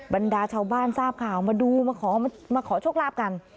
บรรดาชาวบ้านทราบข่าวมาดูมาขอโชคลาภกัน